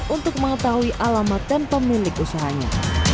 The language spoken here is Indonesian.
untuk mengetahui alamat dan pemilik usahanya